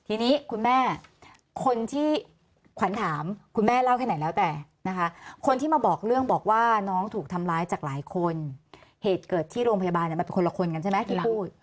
ทีนี้คุณแม่คนที่ขวัญถามคุณแม่เล่าแค่ไหนแล้วแต่นะคะคนที่มาบอกเรื่องบอกว่าน้องถูกทำร้ายจากหลายคนเหตุเกิดที่โรงพยาบาลมันเป็นคนละคนกันใช่ไหมที่เราพูด